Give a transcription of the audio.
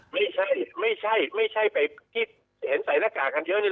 ไม่ใช่ไม่ใช่ไปที่เห็นใส่หน้ากากกันเยอะนี่